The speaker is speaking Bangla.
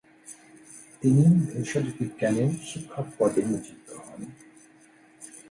তিনি ভেষজবিজ্ঞানের শিক্ষক পদে নিযুক্ত হন।